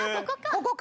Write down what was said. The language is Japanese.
ここか。